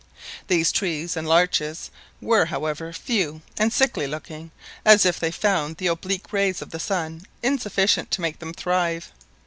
These trees and larches were, however, few and sickly looking, as if they found the oblique rays of the sun insufficient to make them thrive.